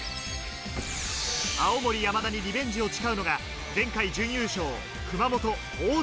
青森山田にリベンジを誓うのが前回準優勝、熊本・大津。